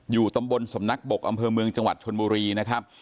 ตำบลสำนักบกอำเภอเมืองจังหวัดชนบุรีนะครับ